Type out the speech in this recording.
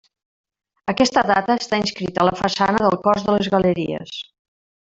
Aquesta data està inscrita a la façana del cos de les galeries.